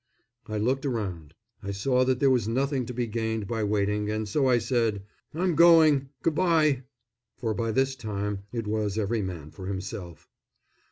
I looked around, I saw that there was nothing to be gained by waiting, and so I said, "I'm going. Good bye," for by this time it was every man for himself.